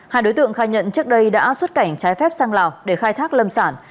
hai đối tượng khai nhận trước đây đã xuất cảnh trái phép sang lào để khai thác lâm sản